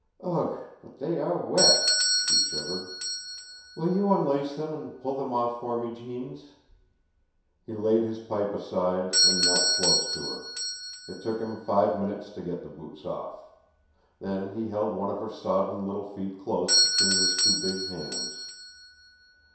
"Ugh, but they are wet!" she shivered. "Will you unlace them and pull them off for me, Jeems?" He laid his pipe aside and knelt close to her. It took him five minutes to get the boots off. Then he held one of her sodden little feet close between his two big hands.